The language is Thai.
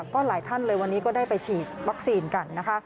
ก็หลายท่านเลยวันนี้ก็ได้ไปฉีดวัคซีนกันนะคะ